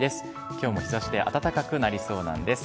きょうも日ざしで暖かくなりそうなんです。